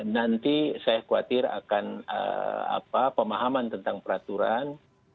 nanti saya khawatir akan pemahaman tentang peraturan